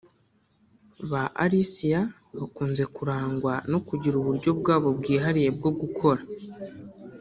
Ba Alicia bakunze kurangwa no kugira uburyo bwabo bwihariye bwo gukora